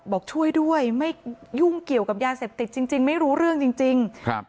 บอกช่วยด้วยไม่ยุ่งเกี่ยวกับยาเสพติดจริงจริงไม่รู้เรื่องจริงจริงครับ